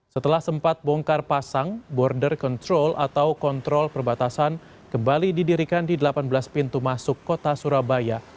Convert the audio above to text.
setelah sempat bongkar pasang border control atau kontrol perbatasan kembali didirikan di delapan belas pintu masuk kota surabaya